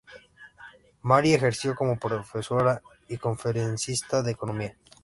Mary ejerció como profesora y conferencista de economía.